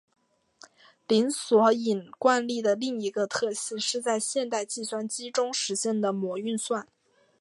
零索引惯例的另一个特性是在现代计算机中实作的模运算。